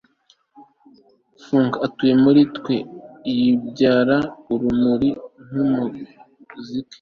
funku atuye muri twe, yibyara urumuri nkumuziki